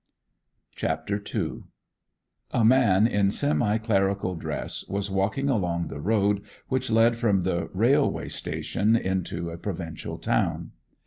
CHAPTER II A man in semi clerical dress was walking along the road which led from the railway station into a provincial town.